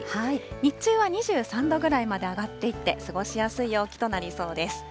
日中は２３度ぐらいまで上がっていって、過ごしやすい陽気となりそうです。